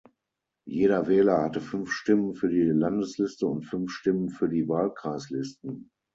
Jeder Wähler hatte fünf Stimmen für die Landesliste und fünf Stimmen für die Wahlkreislisten.